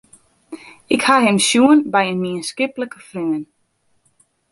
Ik ha him sjoen by in mienskiplike freon.